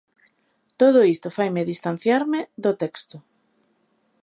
Todo isto faime distanciarme do texto.